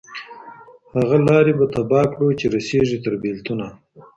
هغه لاري به تباه کړو چي رسیږي تر بېلتونه